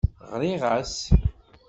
Ɣriɣ-as.